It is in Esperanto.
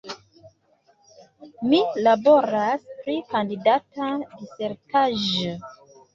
Mi laboras pri kandidata disertaĵo.